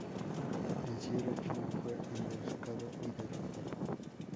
En Sierra Chica fue emboscado y derrotado.